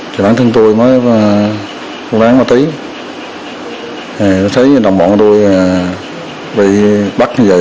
thì bản thân tôi mới bán ma túy thấy đồng bọn tôi bị bắt như vậy